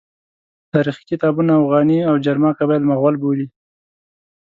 تاریخي کتابونه اوغاني او جرما قبایل مغول بولي.